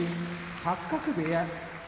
八角部屋